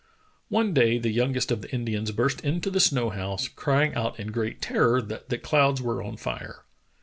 One day the youngest of the Indians burst into the snow house, crying out in great terror that the clouds were on fire.